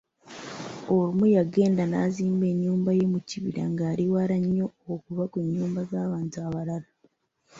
Olumu yagenda nazimba ennyumba ye mukibira nga eriwala nnyo, okuva ku nyumba z'abantu abalala.